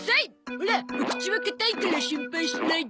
オラお口は堅いから心配しないで。